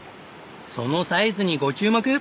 そのサイズにご注目！